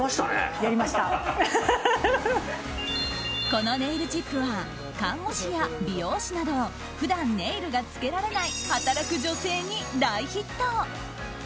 このネイルチップは看護師や美容師など普段、ネイルがつけられない働く女性に大ヒット。